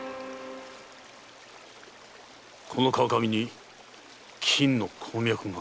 この川上に金の鉱脈が？